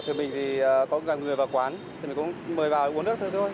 thì mình thì có cả người vào quán thì mình cũng mời vào uống nước thôi